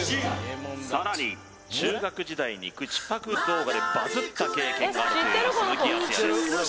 さらに中学時代に口パク動画でバズった経験があるという鈴木敦也です